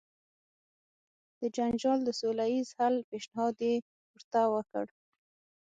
د جنجال د سوله ایز حل پېشنهاد یې ورته وکړ.